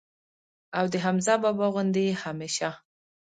او د حمزه بابا غوندي ئې هميشه